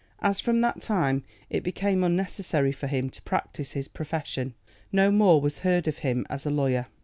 As from that time it became unnecessary for him to practise his profession, no more was heard of him as a lawyer.